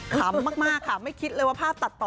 ขำมากค่ะไม่คิดเลยว่าภาพตัดต่อ